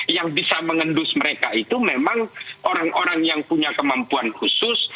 yang bisa mengendus mereka itu memang orang orang yang punya kemampuan khusus